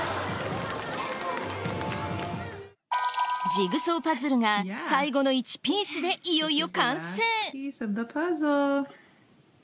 ジグソーパズルが最後の１ピースでいよいよ完成！